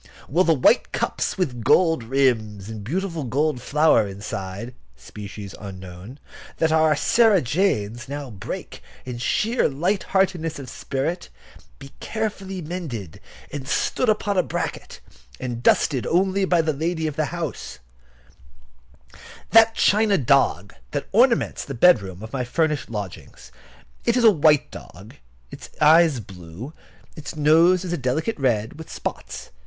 Will the white cups with the gold rim and the beautiful gold flower inside (species unknown), that our Sarah Janes now break in sheer light heartedness of spirit, be carefully mended, and stood upon a bracket, and dusted only by the lady of the house? [Picture: China dog] That china dog that ornaments the bedroom of my furnished lodgings. It is a white dog. Its eyes blue. Its nose is a delicate red, with spots.